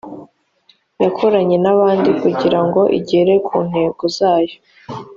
yakoranye nabandi kugira ngo igere ku ntego zayo